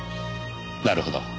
なるほど。